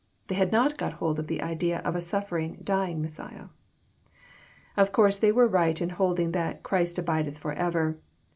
They had not got hold of the idea of a suffer ing, dying Messiah. Of course they were right in holding that Christ abideth for ever."